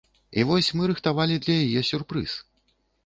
І вось мы рыхтавалі для яе сюрпрыз.